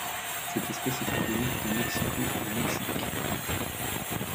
Cette espèce est endémique de Mexico au Mexique.